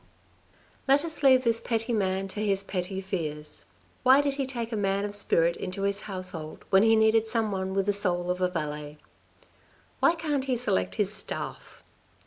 Let us leave this petty man to his petty fears ; why aid he take a man of spirit into his household when he needed some one with the soul of a valet? Why can't he select his staff?